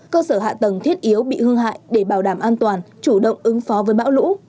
cơ sở hạ tầng thiết yếu bị hư hại để bảo đảm an toàn chủ động ứng phó với bão lũ